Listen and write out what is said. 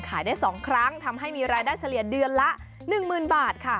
ขายได้๒ครั้งทำให้มีรายได้เฉลี่ยเดือนละ๑๐๐๐บาทค่ะ